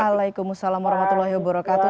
waalaikumsalam warahmatullahi wabarakatuh